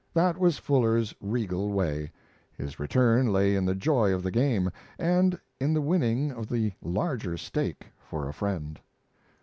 That was Fuller's regal way; his return lay in the joy of the game, and in the winning of the larger stake for a friend.